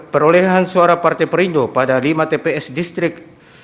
perolehan suara partai perindo pada lima tps distrik